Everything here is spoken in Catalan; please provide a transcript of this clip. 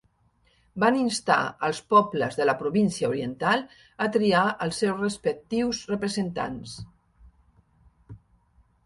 Van instar als pobles de la Província Oriental a triar els seus respectius representants.